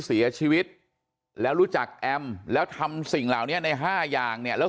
เสียชีวิตแล้วรู้จักแอมแล้วทำสิ่งเหล่านี้ใน๕อย่างเนี่ยแล้ว